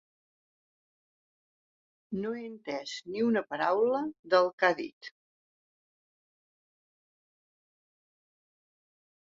No he entès ni una paraula del que ha dit.